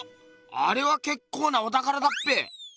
あれはけっこうなおたからだっぺ。